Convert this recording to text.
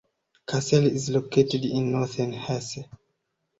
Kassel is located in northern Hesse.